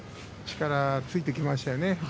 力がついてきましたね